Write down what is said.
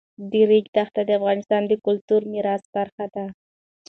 د ریګ دښتې د افغانستان د کلتوري میراث برخه ده.